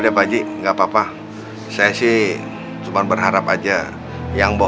kalo gak bisa jadi tukang parkir bang